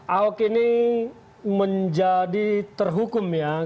ahok ini menjadi terhukum ya